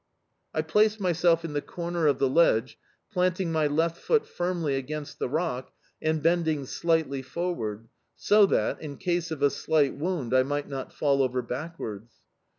I placed myself in the corner of the ledge, planting my left foot firmly against the rock and bending slightly forward, so that, in case of a slight wound, I might not fall over backwards.